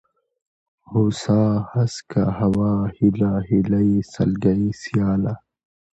هوسا ، هسکه ، هوا ، هېله ، هيلۍ ، سلگۍ ، سياله